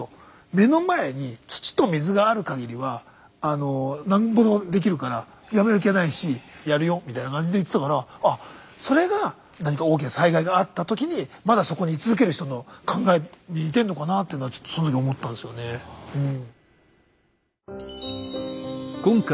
「目の前に土と水があるかぎりはなんぼでもできるからやめる気はないしやるよ」みたいな感じで言ってたからあっそれが何か大きな災害があった時にまだそこに居続ける人の考えに似てんのかなあっていうのはちょっとその時思ったんですよねうん。